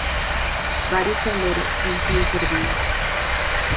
Varios tableros han sido perdidos.